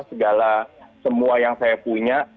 segala semua yang saya punya